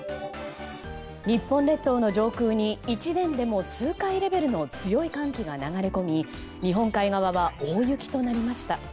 日本列島の上空に１年でも数回レベルの強い寒気が流れ込み日本海側は大雪となりました。